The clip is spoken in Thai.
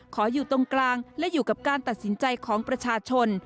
อยู่ตรงกลางและอยู่กับการตัดสินใจของประชาชน